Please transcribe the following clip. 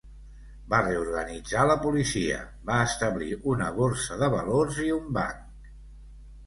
Va reorganitzar la Policia, va establir una Borsa de valors i un Banc.